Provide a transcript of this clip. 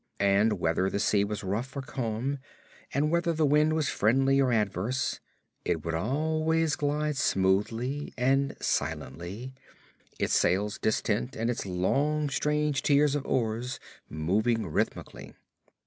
And whether the sea was rough or calm, and whether the wind was friendly or adverse, it would always glide smoothly and silently, its sails distant and its long strange tiers of oars moving rhythmically.